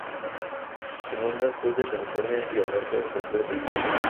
Se encuentra al sur de California y al norte del Golfo de California.